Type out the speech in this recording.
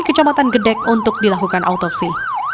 kecamatan gedek untuk dilakukan autopsi